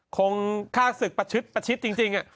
คงค่าศึกประชิตจริงอ่ะ